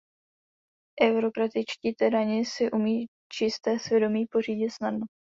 Eurokratičtí tyrani si umí čisté svědomí pořídit snadno.